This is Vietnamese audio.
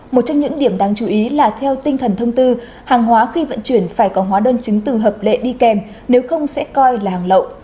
một trong những điểm đáng chú ý là theo tinh thần thông tư hàng hóa khi vận chuyển phải có hóa đơn chứng từ hợp lệ đi kèm nếu không sẽ coi là hàng lậu